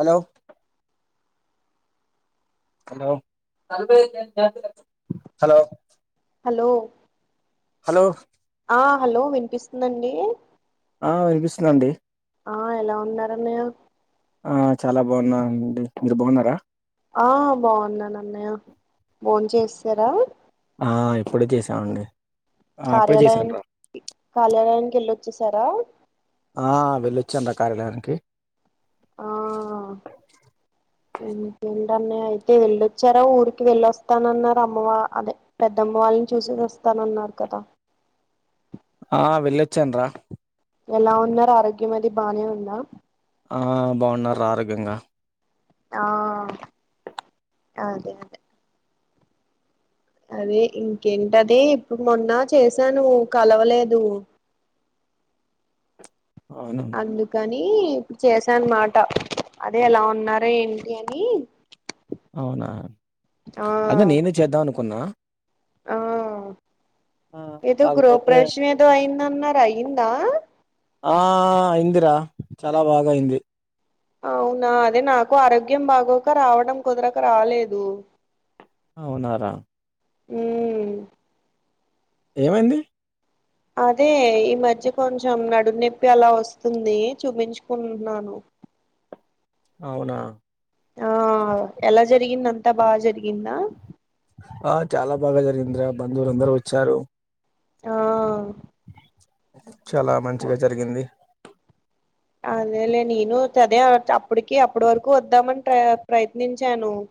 Hello hello hello hello hello ఆ hello వినిపిస్తుందండి ఆ వినిపిస్తుందండి ఆ ఎలా ఉన్నారు అన్నయ్య ఆ చాలా బావున్నాండి మీరు బావున్నారా ఆ బావున్నాను అన్నయ్య బోన్ చేసేరా ఆ ఇప్పుడే చేసామండి ఆ అప్పుడే కార్యాలయన్ చేశాన్రా కార్యాలయానికి ఎళ్ళొచ్చేసారా ఆ వెళ్ళొచ్చన్రా కార్యాలయానికి ఆ ఇ ఇంకేంటన్నయ్య అయితే వెళ్ళొచ్చారా ఊరికి వెళ్ళొస్తానన్నారు అమ్మవ అదే పెద్దమ్మ వాళ్ళని చూసేసి వస్తానన్నారు కదా! ఆ వెళ్లొచ్చాన్ రా ఎలా ఉన్నారు ఆరోగ్యం అది బానే ఉందా? ఆ బావున్నరు రా ఆరోగ్యంగా. ఆ అదే అదె అదే ఇంకేంటదీ ఇప్పుడు మొన్న చేశాను కలవలేదు. అవునా అందుకనీ ఇప్పుడు చేశా అన్నమాట అదే ఎలా ఉన్నార ఏంటి అనీ అవునా ఆ అదే నేనే చేద్దామనుకున్న. ఆ ఏదో కాకపోతే గృహప్రవేశం ఏదో అయిందన్నారు అయిందా? ఆ అయింది రా చాల బాగ అయింది. అవునా అదే నాకు ఆరోగ్యం బాగోక రావడం కుదరక రాలేదు. అవునా రా మ్మ్ ఏమయింది? అదే ఈ మధ్య కొంచెం నడుము నొప్పి అలా వస్తుంది చూపించ్చుకుంటున్నాను. అవునా ఆ ఎలా జరిగింది అంతా బాగ జరిగిందా? ఆ చాల బాగ జరిగింది రా, బంధువులు అందరు వచ్చారు ఆ చాలా మంచిగ జరిగింది. అదేలే నేను చదే చప్పటికి అప్పడి వరకు వద్దామని ట్రయ ప్రయత్నించాను. అ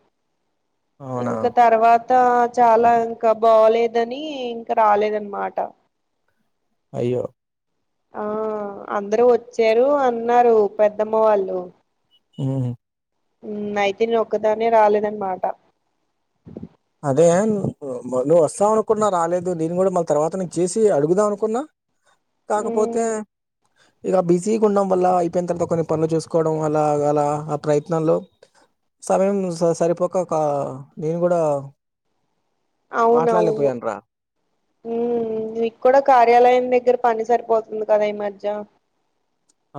[inaudible] అవునా ఇంక తర్వాత చాలా ఇంక బాలేదని ఇంక రాలేదనమాట అయ్యో ఆ అందరూ వచ్చారు అన్నారు పెద్దమ్మ వాళ్ళు మ్హ్ మ్ అయితే నేన్ ఒక్కదాన్నే రాలేదు అనమాట. అదే నువ్వు వస్తావనుకున్నా రాలేదు, నేను కూడా మళ్ళీ తర్వాత నీకి చేసి అడుగుదామనుకున్న. కాకపోతే, మ్ ఇగ బిజీగ ఉండం వల్ల అయిపోయిన్ తర్వాత కొన్ని పనులు చూసుకోవడం అలాగ అలా ఆ ప్రయత్నంలో, సమయం స సరిపోక క నేను కూడా అవునవును మాట్లాడలేకపోయాను రా మ్ నీకు కూడ కార్యాలయం దగ్గర పని సరిపోతుంది కదా ఈ మధ్య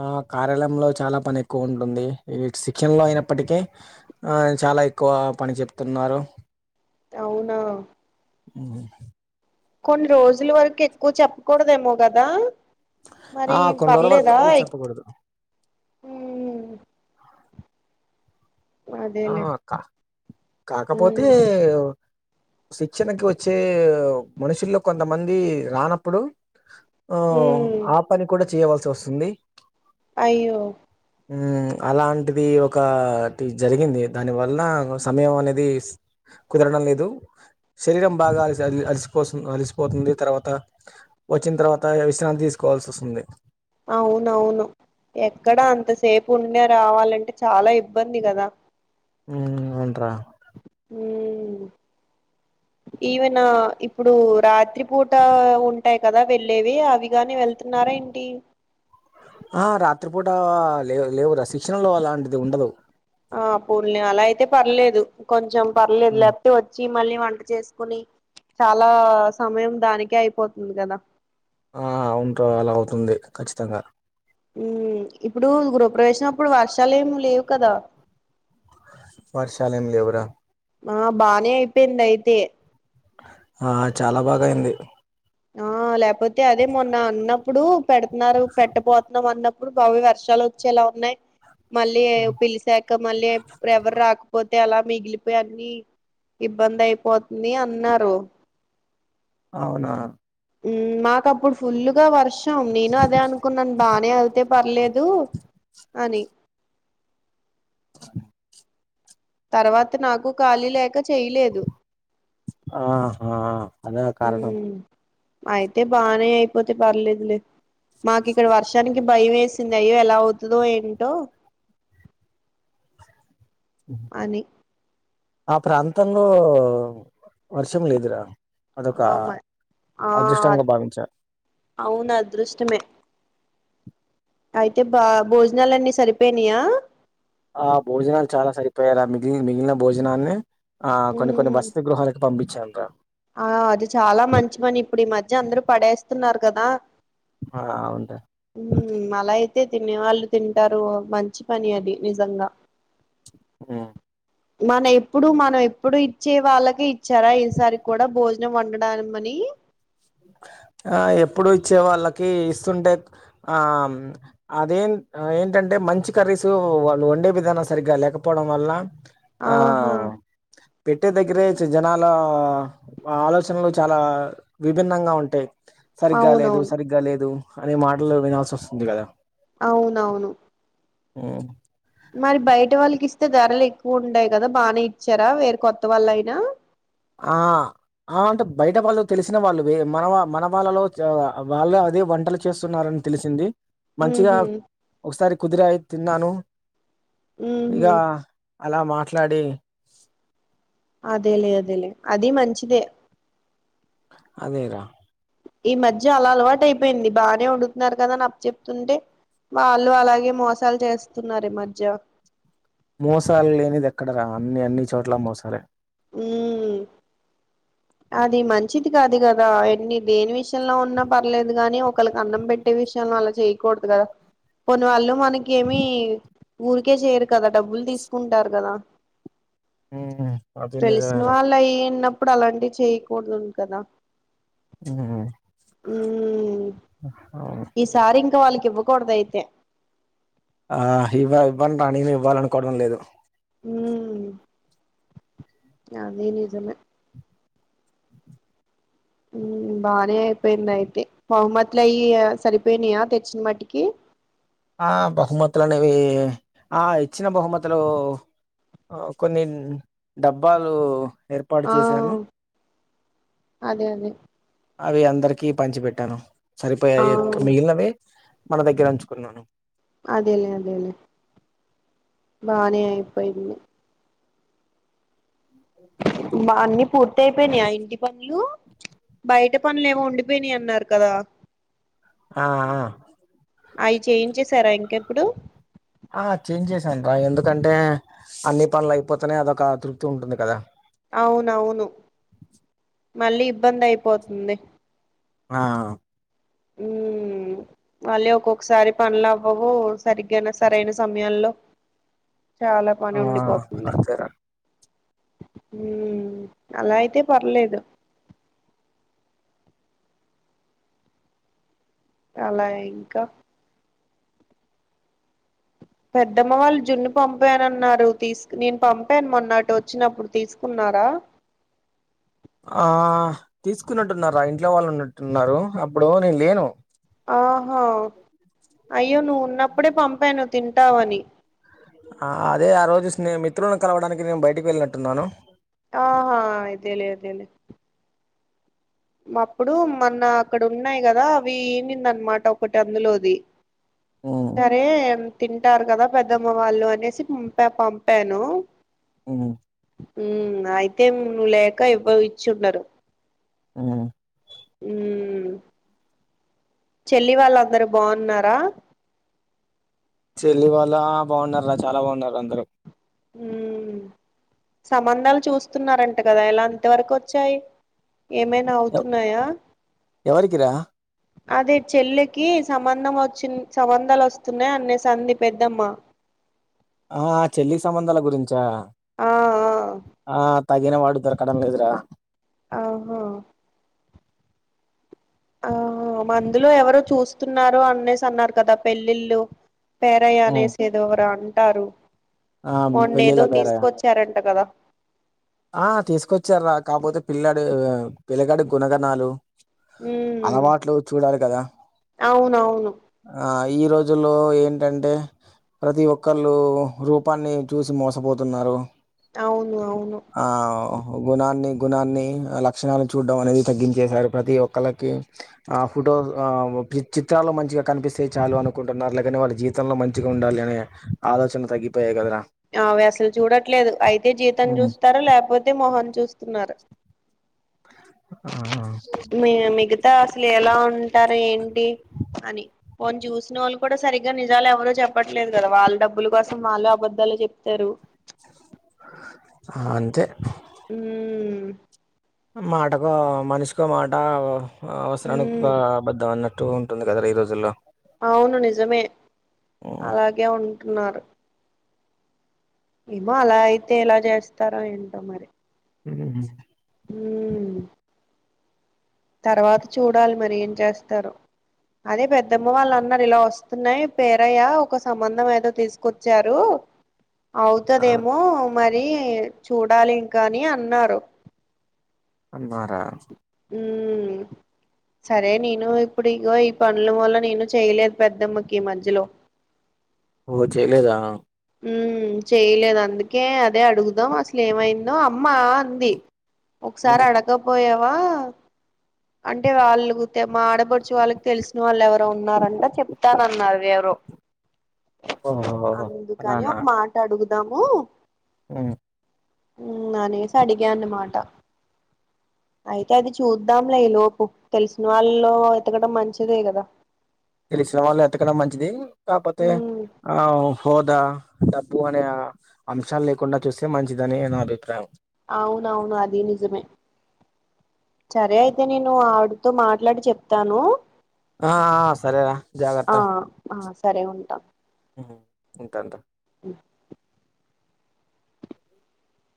ఆ కార్యాలయంలో చాలా పని ఎక్కువ ఉంటుంది ఈ శిక్షణ లో అయినప్పటికీ ఆ చాలా ఎక్కువ పని చెప్తున్నారు. అవునా! మ్ కొన్ని రోజుల వరకు ఎక్కువ చెప్పకూడదేమో కదా, మరీ పర్లేదా ఎ కూడదు ఆ అదేలే క కాకపోతే మ్ శిక్షణకి వచ్చే మనుషుల్లో కొంతమందీ రానప్పుడు ఆ.. మ్ ఆ పని కూడా చేయవలసి వస్తుంది. అయ్యో హు ఊ అలాంటిది ఒక జరిగింది దాని వల్లా సమయం అనేది కుదరడం లేదు శరీరం బాగా అలసి అలిసిపోసు అలసిపోతుంది. తర్వాత వచ్చిన తర్వాత అ విశ్రాంతి తీసుకోవల్సి వస్తుంది. అవునవును. ఎక్కడా అంతసేపు ఉండి రావాలంటే చాలా ఇబ్బంది కదా హు.. ఉ... ఉ అవునురా హూ ఉ.. ఉ ఈవెన్ ఆ ఇప్పుడు రాత్రి పూట ఉంటాయ్ కదా వెళ్ళేవి అవిగాని వెళ్ నారాఏంటీ రాత్రిపూట లే లేవురా శిక్షణలో అలాంటిది ఉండదు. ఆ పోనీలే అలా అయితే పర్లేదు. కొంచెం పర్లేదు హ్మ్. లే వచ్చి మళ్ళీ వంట చేసుకుని చాలా సమయం దానికే అయిపోతుంది కదా ఆ అవునూరా అలా అవుతుంది. ఖచ్చితంగా ఇప్పుడు గృహప్రవేశంప్పుడు వర్షాలుమి లేవు కదా వర్షాలేమీ లేవురా ఆ బానే అయిపోయింది. అయితే ఆ చాలా బాగా అయింది. ఆ లేకపోతే అదే మొన్న అన్నప్పుడు పెడుతున్నారు. పెట్టపోతున్నాం. అన్నప్పుడు ఇప్పుడు బావి వర్షాలు వచ్చేలా ఉన్నాయి మళ్ళీ పిలిసా ఇంక మళ్ళీ ఎవరు రాకపోతే అలా మిగిలిపోయి అన్ని ఇబ్బంది అయిపోతుంది. అన్నారు అవునా మాక అప్పుడు ఫుల్ గా వర్షం నేను అదే అనుకున్నాను బానే అయితే పర్లేదు అని తర్వాత నాకు ఖాళీ లేక చేయలేదు. ఆహా అద కారణం ఉమ్ అయితే బానే అయిపోతే పర్లేదులే మాకు ఇక్కడ వర్షానికి భయం వేసింది అయ్యో ఎలా అవుతుందో ఏంటో ఉ అని ఆ ప్రాంతంలో వర్షం లేదురా అదొక ఆ మ ఆ అదృష్టంగా భావించా అవును అదృష్టమే అయితే బా భోజనలున్నీ సరిపోయానాయా. ఆ భోజనాలు చాలా సరిపోయారాత్రీ కి మిగిలి మిగిలిన భోజనాన్ని ఆ కొన్ని కొన్ని ఉమ్, వసతి గృహాలకు పంపించాంట ఆ అది చాలా మంచి పని ఇప్పుడు ఈ మధ్య అందరూ పడేస్తున్నారు. కదా ఆ అవుందా ఉ అలా అయితే తినే వాళ్ళు తింటారు. మంచి పని అది నిజంగా ఆ మన ఎప్పుడు మనం ఎప్పుడు ఇచ్చే వాళ్ళకే ఇచ్చారా, ఈసారి కూడా భోజనం వండడం అని ఆ ఎప్పుడు ఇచ్చే వాళ్ళకి ఇస్తుంటే ఆ అదేం ఏంటంటే మంచి కర్రీసు వాళ్ళు వండే విధానం సరిగ్గా లేకపోవడం వల్ల ఆ ఆహా పెట్టే దగ్గరే జనాల ఆలోచనలు చాలా విభిన్నంగా ఉంటే సరిగ్గా లేదు అవునవును సరిగ్గా లేదు అనే మాటలు వినాల్సి వస్తుంది కదా అవునవును ఉ మరి బయట వాళ్ళకి ఇస్తే ధరలు ఎక్కువ ఉంటయి కదా బాగానే ఇచ్చారా వేర్ కొత్త వాళ్ళు అయినా ఆ ఆ అంటే బయట వాళ్ళు తెలిసిన వాళ్ళు వి మన వా మన వాళ్ళలో చ వాళ్ళే అదే వంటలు చేస్తున్నారని తెలిసింది మంచిగా ఉహు ఒకసారి కుదిరయ్ తిన్నాను ఇక ఉహు అలా మాట్లాడి అదేలే అదేలే అది మంచిదే అదేరా ఈ మధ్య అలా అలవాటు అయిపోయింది బాగానే వండుతున్నారు కదా అని అప్ప చెప్తుంటే వాళ్ళు అలాగే మోసాలు చేస్తున్నారు ఈ మధ్య మోసాలు లేనిది ఎక్కడ రా అన్ని అన్ని చోట్ల మోసాలే ఉమ్ అది మంచిది కాదు కదా ఎన్ని దేని విషయంలో ఉన్నా పర్లేదు గానీ ఒకలికి అన్నం పెట్ ట్టే విషయంలో అలా చేయకూడదు కదా పోనీ వాళ్ళు మనకేమి ఊరికే చేయరు కదా డబ్బులు తీసుకుంటారు కదా ఉమ్, అది తెలిసిన నిజమేరా వాళ్ళు అయిన్నప్పుడు అలాంటివి చేయ్యకూడదు కదా ఉమ్ అవన్ సార్ ఇంకా వాళ్ళకి ఇవ్వకూడదు అయితే ఆ ఇవ్వ ఇవ్వం రా నేను ఇవ్వాల అనుకోవడం లేదు ఉమ్ అది నిజమే ఊ బానే అయిపోయింది అయితే బహుమతులు అయి సరిపోయినాయా తెచ్చిన మట్టుకి ఆ బహుమతులునేవి ఆ ఇచ్చిన బహుమతులు కొన్ని డబ్బాలు ఏర్పాటు ఆ చేశాను అదే అదే అవి అందరికి పంచి పెట్టాను ఆ సరిపోయయ్ ఇంక్ మిగిలినవి మన దగ్గర అంచుకున్నాను అదే అదేలే బానే ఐయిపోయింది. బా అన్ని పూర్తి అయిపోయినా ఇంటి పనులు బయట పనులు ఏమో ఉండిపోయినాయి అన్నారు కదా. ఆ ఆ అవి చేయించేసారా ఇంకెప్పుడు ఆ చేయించేసను రా ఎందుకంటే అన్ని పనులు అయిపోతునయ్ అదొక తృప్తి ఉంటుంది కదా అవునవును మళ్ళీ ఇబ్బంది అయిపోతుంది ఆ ఉ మళ్ళీ ఒక్కొక్కసారి పనులు అవ్వవు సరిగ్గా సరైన సమయాల్లో చాలా పని ఆ ఉండిపోతుంది అంతేరా ఉమ్ అలా అయితే పర్లేదు అలా ఇంకా పెద్దమ్మ వాళ్ళు జున్ని పంపాన అన్నారు తీసు నేను పంపాను మొన్న అటు వచ్చినప్పుడు తీసుకున్నారా ఆ తీసుకున్నట్టున్నారా ఇంట్లో వాళ్ళు ఉన్నట్టున్నారు అప్పుడు నేను లేను ఆహా అయ్యో నువ్వు ఉన్నప్పుడే పంపాను తింటావని ఆ అదే ఆ రోజు స్నే మిత్రులను కలవడానికి నేను బయటికి వెళ్ళినట్టున్నాను ఆహా ఇదేలే అదేలే అప్పుడు మొన్న అక్కడ ఉన్నాయి కదా అవి ఇనింది అనమాట ఒకటి అందులోది ఉ సరే తింటారు కదా పెద్దమ్మ వాళ్ళు అనేసి ప పంపాను ఉ అయితే నువ్వు లేక ఇవ్వ ఇచ్చి ఉండరు ఉ ఉ చెల్లి వాళ్ళు అందరు బాగున్నారా చెల్లి వాళ్ళా బాగున్నార్రా చాలా బాగున్నారు అందరూ ఊ సంబంధాలు చూస్తున్నారంట కదా ఇలా అంత వరకు వచ్చాయి ఏమై ఎవ్ అవుతున్నాయా ఎవరికిరా అదే చెల్లెకి సంబంధం వచ్చి సంబంధాలు వస్తున్నాయి అనేసంది పెద్దమ్మ ఆ చెల్లి సంబంధాల గురించా ఆ ఆ తగిన వాడు దొరకడం లేదు రా అహ అహ మందులో ఎవరు చూస్తున్నారో అనేసి అన్నారు కదా పెళ్ళిళ్ళు పేరయ ఉమ్. అనేసేదోవరో అంటారు ఆ మొన్న పెళ్ళిళ్ళ ఏదో పేర తీసుకొచ్చారంట కదా ఆ తీసుకొచ్చార్రా కాకపోతే పిల్లాడు పిల్లగాడి గుణగణాలు ఉమ్ అలవాట్లు చూడాలి కదా అవునవును ఆ ఈ రోజుల్లో ఏంటంటే ప్రతి ఒక్కళ్ళు రూపాన్ని చూసి మోసపోతున్నారు అవును అవును ఆ గుణాన్ని గుణాన్ని లక్షణాలు చూడడం అనేది తగ్గించేశారు ప్రతి ఒక్కలకి ఆ ఫోటో ఆ చిత్రాలు మంచిగా కనిపిస్తే చాలు అనుకుంటున్నారు లేకనే వాళ్ళ జీవితంలో మం గా ఉండాలి అనే ఆలోచన తగ్గిపోయాయి కదరా ఆ అవి అసలు చూడట్లేదు అయితే జీతం చూస్తారు లేకపోతే మోహామ్ చూస్తున్నారు ఆ మిరు మిగతా అసలు ఎలా ఉంటారు ఏంటి అని పోన్ చూసిన వాళ్ళు కూడా సరిగ్గా నిజాలు ఎవరు చెప్పట్లేదు కదా వాళ్ళ డబ్బులు కోసం వాళ్ళు అబద్ధలు చెప్తారు ఆ అంతే ఊ మాటకో మనిషికో మాట అవసరానికి ఉమ్ ఒక అబద్ధం అన్న ట్టు ఉంటుంది కదా ఈ రోజుల్లో అవును నిజమే అలాగే ఉంటున్నారు ఏమో అలా అయితే ఎలా చేస్తారో ఏంటో మరి ఉ ఊ తర్వాత చూడాలి మరి ఏం చేస్తారు అదే పెద్దమ్మ వాళ్ళు అన్నారు ఇలా వస్తున్నాయి పేరయ్య ఒక సంబంధం ఏదో తీసుకొచ్చారు ఆ అవుతదేమో మరి చూడాలి ఇంకా అని అన్నారు అన్నారా ఉ సరే నేను ఇప్పుడు ఇగో ఈ పనుల వల్ల నేను చేయలేదు పెద్దమ్మకి ఈ మజ్జలో ఓ చేయలేదా ఉ చేయలేదు అందుకే అదే అడుగుదాం అసలు ఏమైందో అమ్మా అంది ఒకసారి అడకపోయావా అంటే వాళ్ళు తే మా ఆడపడుచు వాళ్ళకి తెలిసిన వాళ్ళు ఎవరు ఉన్నారంట చెప్తానన్నారు ఎవరో ఓహో అందుకని అలానా ఒక మాట అడుగుదాము ఆ హూ అనేసి అడిగాన్న మాట అయితే అది చూద్దా ము లే ఈలోపు తెలిసిన వాళ్ళలో వెతకడం మంచిదే కదా తెలిసిన వాళ్ళు ఎతకడం మంచిది కాకపోతే ఉమ్ ఆ హోదా డబ్బు అనే అంశాలు లేకుండా చూస్తే మంచిదని నా అభిప్రాయం అవునవును అది నిజమే సరే అయితే నేను ఆవిడతో మాట్లాడి చెప్తాను ఆ సరేరా జాగ్రత్త ఆ ఆ సరే ఉంటా ఉమ్ ఉంటాను